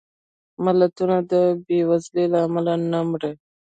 ملتونه د بېوزلۍ له امله نه مري